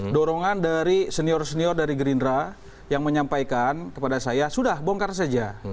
dorongan dari senior senior dari gerindra yang menyampaikan kepada saya sudah bongkar saja